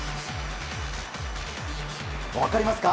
分かりますか？